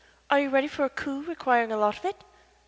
Are you ready for a coup requiring a lot of it?"